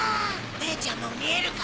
ねえちゃんも見えるか？